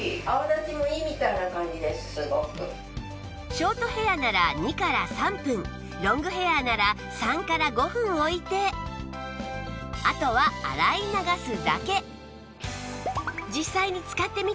ショートヘアなら２から３分ロングヘアなら３から５分置いてあとは洗い流すだけ